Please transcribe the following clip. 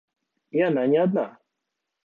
И она не одна.